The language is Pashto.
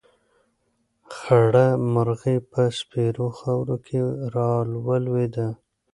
خړه مرغۍ په سپېرو خاورو کې راولوېده.